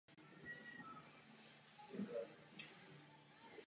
Dělba práce umožnila snížení nákladů a tedy i nižší cenu zboží.